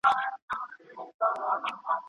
په ښوونځیو کي باید مورنۍ ژبې ته لومړیتوب ورکړل سي.